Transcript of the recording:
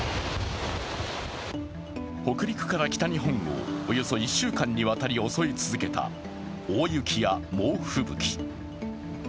北陸から北日本をおよそ１週間にわたり襲い続けた大雪や猛吹雪。